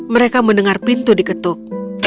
mereka mendengar pintu diketuk